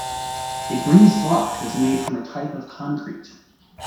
A breeze block is made from a type of concrete.